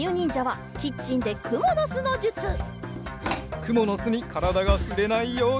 くものすにからだがふれないように。